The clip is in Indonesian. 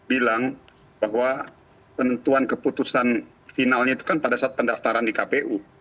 bilang bahwa penentuan keputusan finalnya itu kan pada saat pendaftaran di kpu